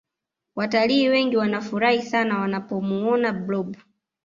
Wataliii wengi wanafurahi sana wanapomuona blob